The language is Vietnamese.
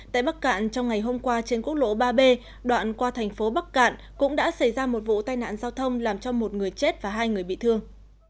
tại bắc cạn trong ngày hôm qua trên quốc lộ ba b đoạn qua thành phố bắc cạn cũng đã xảy ra một vụ tai nạn giao thông làm cho một người chết và hai người bị thương